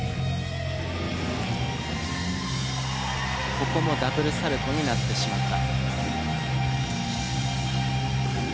ここもダブルサルコーになってしまった。